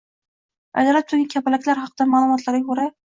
Ertalab "tungi kapalaklar" haqida Ma'lumotlarga ko'ra